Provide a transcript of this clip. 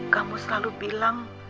kamu selalu bilang